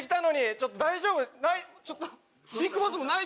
ちょっと大丈夫？泣い。